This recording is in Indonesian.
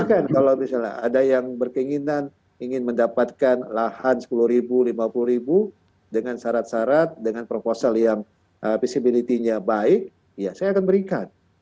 bahkan kalau misalnya ada yang berkeinginan ingin mendapatkan lahan sepuluh ribu lima puluh ribu dengan syarat syarat dengan proposal yang visibility nya baik ya saya akan berikan